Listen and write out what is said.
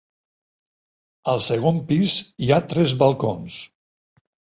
Al segon pis hi ha tres balcons.